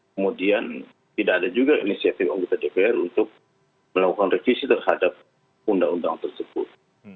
kemudian tidak ada juga inisiatif anggota dpr untuk melakukan revisi terhadap undang undang tersebut